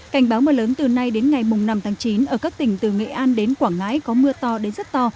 cảnh báo mưa lớn từ nay đến ngày năm tháng chín ở các tỉnh từ nghệ an đến quảng ngãi có mưa to đến rất to